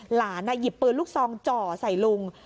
หยิบปืนลูกซองจ่อใส่ลุง